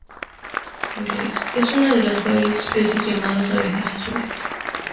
Es una de las varias especies llamadas abejas azules.